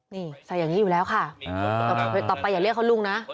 นี่ใส่อย่างนี้อยู่แล้วค่ะต่อไปอย่าเรียกเขาลุงนะ